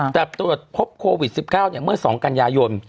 แต่ตรวจพบโควิด๑๙เมื่อ๒กันยายน